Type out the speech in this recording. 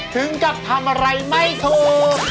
ถึงกับทำอะไรไม่ถูก